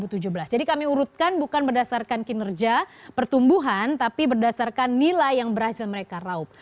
kami urutkan bukan berdasarkan kinerja pertumbuhan tapi berdasarkan nilai yang berhasil mereka raup